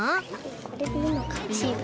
これでいいのかな？